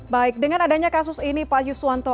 baik dengan adanya kasus ini pak yuswanto